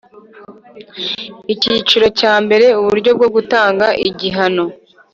Icyiciro cyambere Uburyo bwo gutanga igihano